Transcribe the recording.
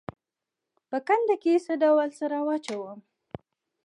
په کنده کې څه ډول سره واچوم؟